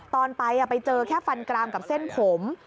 ตอนไปไปเจอแค่ฟันกรามกับเส้นผม